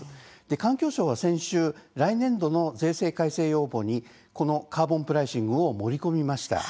環境省は先週、来年度の税制改正要望にこのカーボンプライシングを盛り込みました。